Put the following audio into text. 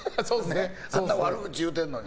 あんな悪口言うてるのに。